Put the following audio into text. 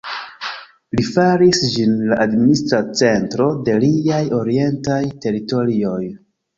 Li faris ĝin la administra centro de liaj orientaj teritorioj.